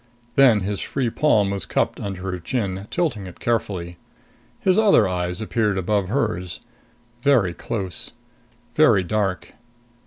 Then his free palm was cupped under her chin, tilting it carefully. His other eyes appeared above hers. Very close. Very dark.